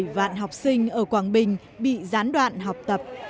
một mươi bảy vạn học sinh ở quảng bình bị gián đoạn học tập